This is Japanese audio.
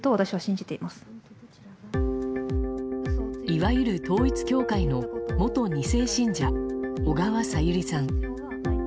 いわゆる統一教会の元２世信者小川さゆりさん。